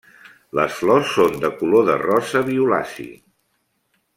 Les flors són de color de rosa violaci.